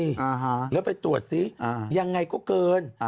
หรือไปตรวจซิยังไงก็เกิน